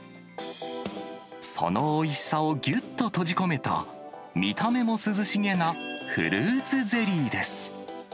そのおいしさをぎゅっと閉じ込めた、見た目も涼しげなフルーツゼ